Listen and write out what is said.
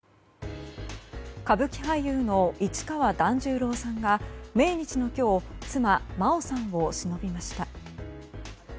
歌舞伎俳優の市川團十郎さんが命日の今日妻・麻央さんをしのびました。